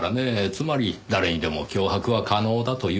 つまり誰にでも脅迫は可能だという事です。